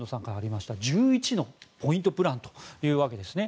１１のポイントプランというわけですね。